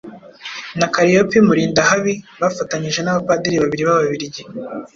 na Kaliyopi Mulindahabi bafatanyije n'Abapadiri babiri b'Ababiligi.